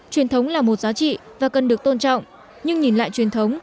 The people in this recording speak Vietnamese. truyền thống là một giá trị và cần được tôn trọng nhưng nhìn lại truyền thống